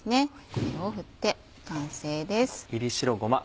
これを振って完成です。